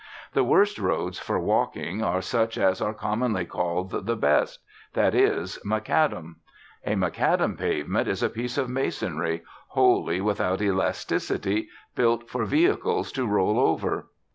The worst roads for walking are such as are commonly called the best; that is, macadam. A macadam pavement is a piece of masonry, wholly without elasticity, built for vehicles to roll over.